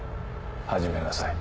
始めなさい。